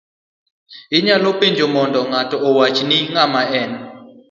Inyalo penjo mondo ngato owachni ng'ama en;